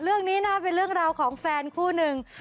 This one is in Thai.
เรื่องนี้นะเป็นเรื่องราวของแฟนคู่หนึ่ง